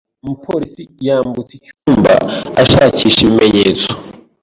Umupolisi yambutse icyumba ashakisha ibimenyetso.